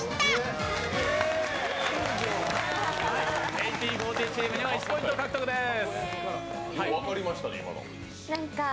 １８／４０チームは１ポイント獲得です。